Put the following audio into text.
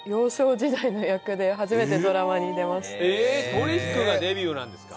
『トリック』がデビューなんですか。